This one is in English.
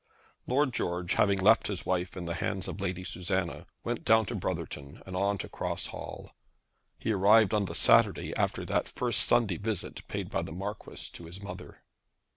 Lord George, having left his wife in the hands of Lady Susanna, went down to Brotherton and on to Cross Hall. He arrived on the Saturday after that first Sunday visit paid by the Marquis to his mother.